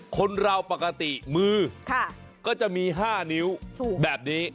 คนเราปกติมือก็จะมี๕นิ้วแบบนี้